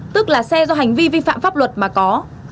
tức là xe do hành vi vi phạm pháp luật mà có